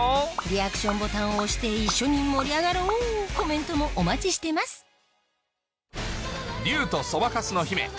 リアクションボタンを押して一緒に盛り上がろうコメントもお待ちしてます